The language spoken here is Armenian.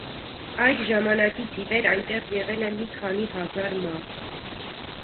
Այդ ժամանակից ի վեր այնտեղ եղել է մի քանի հազար մարդ։